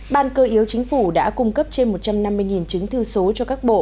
ban cơ yếu chính phủ đã cung cấp trên một trăm năm mươi chứng thư số cho các bộ